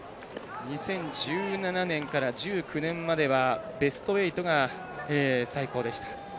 ２０１７年から１９年まではベスト８が最高でした。